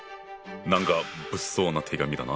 なんか物騒な手紙だな。